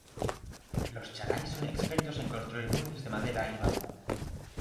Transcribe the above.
Los charai son expertos en construir muebles de madera y bambú.